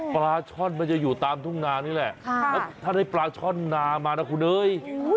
ปลาช่อนมันจะอยู่ตามทุ่งนานี่แหละแล้วถ้าได้ปลาช่อนนามานะคุณเอ๋ย